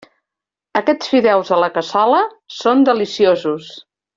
Aquests fideus a la cassola són deliciosos.